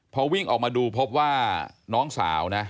พอวิ่งออกมาดูพบว่าน้องสาวนะ